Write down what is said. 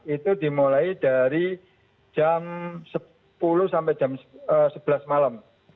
itu dimulai dari jam sepuluh sampai jam sebelas malam